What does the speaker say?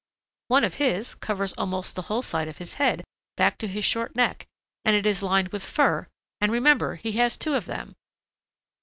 "One of his covers almost the whole side of his head back to his short neck, and it is lined with fur, and remember he has two of them.